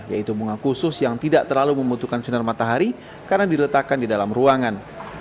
yaitu bunga khusus yang tidak terlalu membutuhkan sinar matahari karena diletakkan di dalam ruangan